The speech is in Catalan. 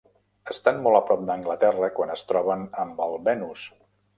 Estan molt a prop d'Anglaterra quan es troben amb el "Venus".